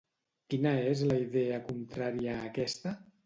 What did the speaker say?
Quina és la idea contrària a aquesta?